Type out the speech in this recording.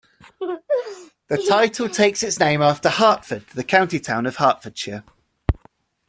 The title takes its name after Hertford, the county town of Hertfordshire.